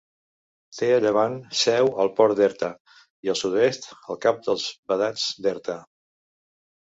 Té a llevant seu el Port d'Erta, i al sud-oest el Cap dels Vedats d'Erta.